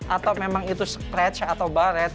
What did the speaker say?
atau memang itu scratch atau baret